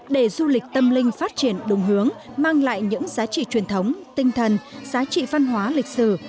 để du lịch tâm linh phát triển đúng hướng mang lại những giá trị truyền thống tinh thần giá trị văn hóa lịch sử